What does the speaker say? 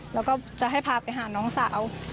แล้วก็จะให้พาไปหาน้องสาว